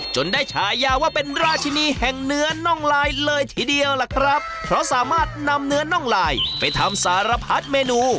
ได้ฉายาว่าเป็นราชินีแห่งเนื้อน่องลายเลยทีเดียวล่ะครับเพราะสามารถนำเนื้อน่องลายไปทำสารพัดเมนู